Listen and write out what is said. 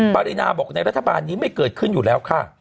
ปรินาบอกในรัฐบาลนี้ไม่เกิดขึ้นอยู่แล้วค่ะ